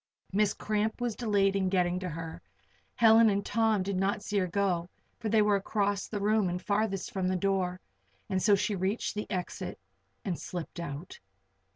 Miss Cramp was delayed in getting to her; Helen and Tom did not see her go, for they were across the room and farthest from the door. And so she reached the exit and slipped out.